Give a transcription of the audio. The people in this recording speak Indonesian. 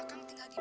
tinggal di mana